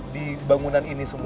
di bangunan ini semua